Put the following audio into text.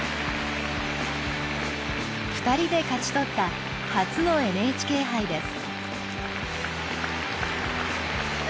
２人で勝ち取った初のＮＨＫ杯です。